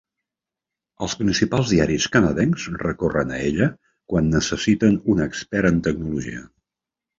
Els principals diaris canadencs recorren a ella quan necessiten un expert en tecnologia.